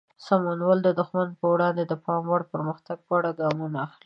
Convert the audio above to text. سمونوال د دښمن پر وړاندې د پام وړ پرمختګ په اړه ګامونه اخلي.